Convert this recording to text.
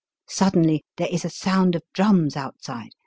Suddenly there is a sound of drums outside.